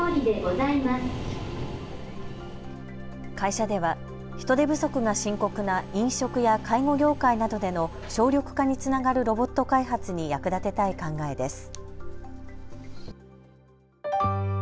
会社では人手不足が深刻な飲食や介護業界などでの省力化につながるロボット開発に役立てたい考えです。